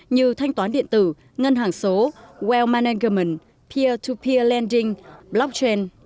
như thanh toán điện tử ngân hàng số wealth management peer to peer lending blockchain